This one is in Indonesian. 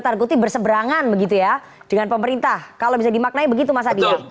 target berseberangan begitu ya dengan pemerintah kalau bisa dimaknai begitu masa dia betul betul